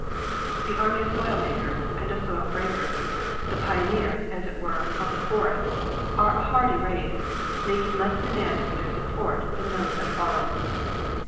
The army of soil makers and goil breakers, the pioneers, as it were, of the forest, are a hard y race, making leas demands for their support than those that follow.